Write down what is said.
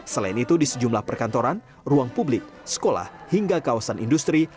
selain itu di sejumlah perkantoran ruang publik sekolah hingga kawasan industri